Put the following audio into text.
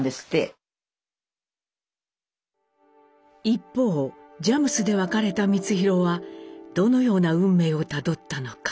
一方佳木斯で別れた光宏はどのような運命をたどったのか。